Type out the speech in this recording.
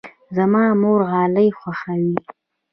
زما مور غالۍ خوښوي.